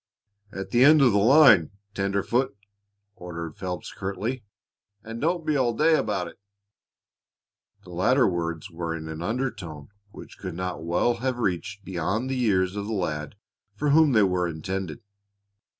"At the end of the line, tenderfoot," ordered Phelps, curtly. "And don't be all day about it!" The latter words were in an undertone which could not well have reached beyond the ears of the lad for whom they were intended.